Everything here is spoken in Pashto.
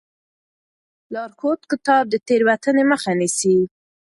لارښود کتاب د تېروتنې مخه نیسي.